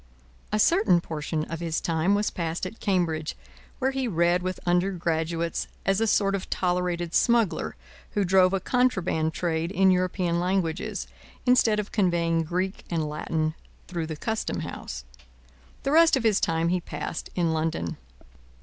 A certain portion of his time was passed at Cambridge, where he read with undergraduates as a sort of tolerated smuggler who drove a contraband trade in European languages, instead of conveying Greek and Latin through the Custom house. The rest of his time he passed in London.